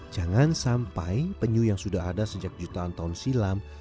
jangan sampai penyu yang sudah ada sejak jutaan tahun silam